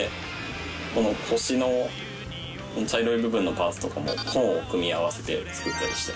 この腰の茶色い部分のパーツとかも本を組み合わせて作ったりしてます。